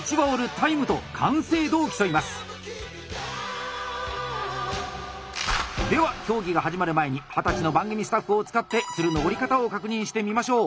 競技はでは競技が始まる前に二十歳の番組スタッフを使って鶴の折り方を確認してみましょう！